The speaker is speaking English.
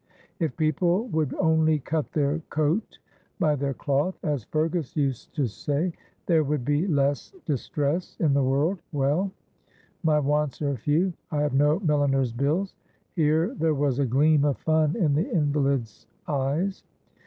If people would only cut their coat by their cloth, as Fergus used to say, there would be less distress in the world; well, my wants are few; I have no milliner's bills;" here there was a gleam of fun in the invalid's eyes.